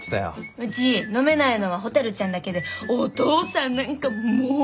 うち飲めないのは蛍ちゃんだけでお父さんなんかもう。